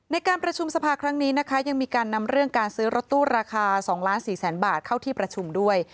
ในการประชุมสภาครั้งนี้นะคะยังมีการนำเรื่องการซื้อรถตู้ราคา๒ล้าน๔แสนบาทเข้าที่ประชุมด้วย